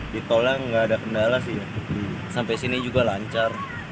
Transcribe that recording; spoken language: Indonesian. di tolnya nggak ada kendala sih sampai sini juga lancar